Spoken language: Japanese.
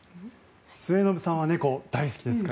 末延さんは猫、大好きですから。